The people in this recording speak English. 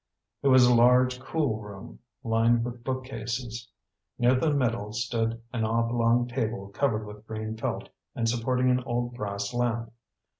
It was a large, cool room, lined with bookcases. Near the middle stood an oblong table covered with green felt and supporting an old brass lamp.